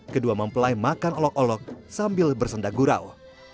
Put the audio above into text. kedua mempelai makan olok olok sambil bersendak gurau